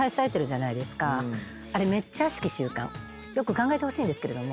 よく考えてほしいんですけれども。